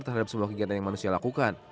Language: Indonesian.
terhadap sebuah kegiatan yang manusia lakukan